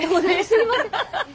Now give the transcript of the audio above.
すいません。